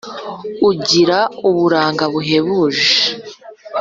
ugira uburanga buhebuje